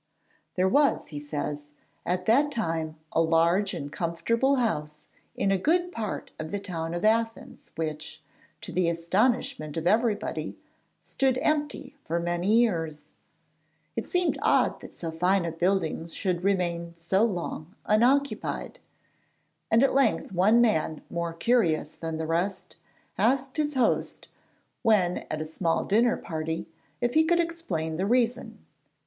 There was, he says, at that time a large and comfortable house in a good part of the town of Athens which, to the astonishment of everybody, stood empty for many years. It seemed odd that so fine a building should remain so long unoccupied, and at length one man more curious than the rest asked his host when at a small dinner party if he could explain the reason.